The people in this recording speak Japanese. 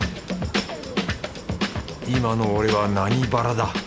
今の俺は何腹だ？